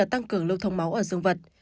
nhờ tăng cường lưu thông máu ở dương vật